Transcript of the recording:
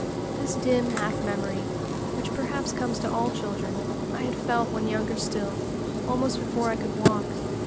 This dim half memory, which perhaps comes to all children, I had felt when younger still, almost before I could walk.